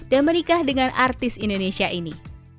dan menikah dengan artis indonesia ini